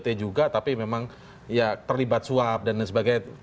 bukan ott juga tapi memang ya terlibat suap dan sebagainya